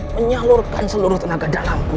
menyalurkan seluruh tenaga dalamku